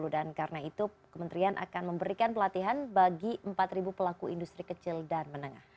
dan karena itu kementerian akan memberikan pelatihan bagi empat ribu pelaku industri kecil dan menengah